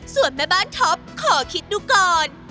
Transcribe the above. ส่วนแม่บ้านท็อปขอคิดดูก่อน